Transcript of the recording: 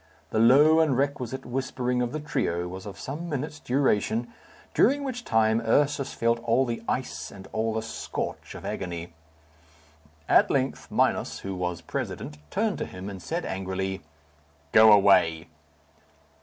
The low and requisite whispering of the trio was of some minutes' duration, during which time Ursus felt all the ice and all the scorch of agony. At length Minos, who was president, turned to him and said angrily, "Go away!"